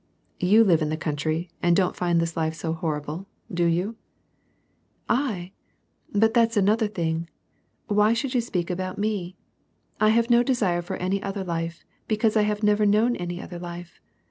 " You live in the country and don't find this life so horrible, do you ?"" I ?— but that's another thing. Why should you speak about me ? I have no desire for any other life, because I have never known any other life.